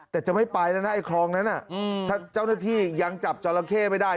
แต่จะไม่ไปแล้วนะไอ้คลองนั้นถ้าเจ้าหน้าที่ยังจับจอราเข้ไม่ได้